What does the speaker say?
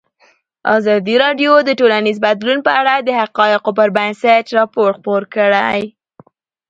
ازادي راډیو د ټولنیز بدلون په اړه د حقایقو پر بنسټ راپور خپور کړی.